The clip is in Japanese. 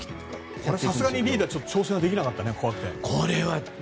さすがにリーダー挑戦はできなかったね怖くて。